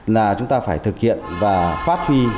là chúng ta phải thực hiện và phát huy